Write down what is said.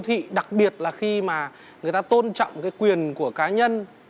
thị đặc biệt là khi mà người ta tôn trọng cái quyền của cá nhân